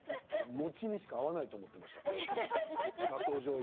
餅にしか合わないと思っていました。